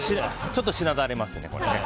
ちょっとしなだれますね。